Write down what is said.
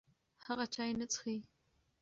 هغه چای نه څښي.